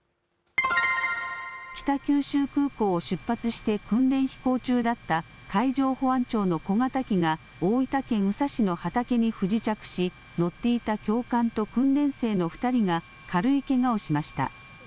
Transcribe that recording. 北九州空港を出発して訓練飛行中だった海上保安庁の小型機が大分県宇佐市の畑に不時着し、乗っていた教官と訓練生の２人が軽いけがをしました。